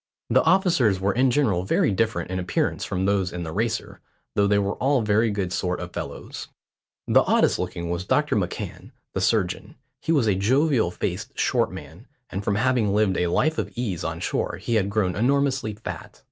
The officers were in general very different in appearance from those in the Racer, though they were all very good sort of fellows. The oddest looking was Dr McCan, the surgeon. He was a jovial faced short man, and from having lived a life of ease on shore he had grown enormously fat.